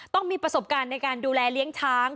ต้องมีประสบการณ์ในการดูแลเลี้ยงช้าง